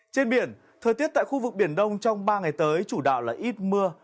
trên biển thời tiết tại khu vực biển đông trong ba ngày tới chủ đạo là ít mưa